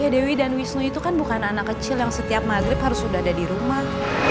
dewi dan wisnu itu kan bukan anak kecil yang setiap maghrib harus sudah ada di rumah